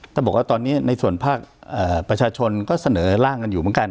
จะบอกว่าตอนนี้ในส่วนภาคประชาชนก็เสนอร่างกันอยู่เหมือนกัน